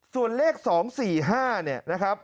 ส่วนเลข๒๔๕เนี่ยนะครับ